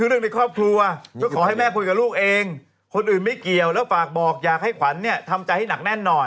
อืมนักข่าวถามต่อทุกวันนี้เสียงแก่ดังมาก